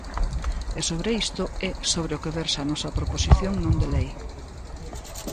E sobre isto é sobre o que versa a nosa proposición non de lei.